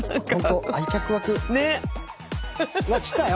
うわ来たよ。